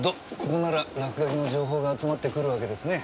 ここなら落書きの情報が集まってくるわけですね。